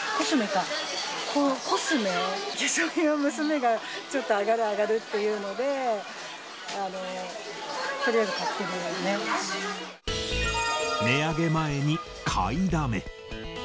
化粧品は、娘がちょっと、上がる上がるっていうので、値上げ前に買いだめ。